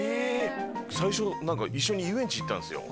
最初一緒に遊園地行ったんすよ。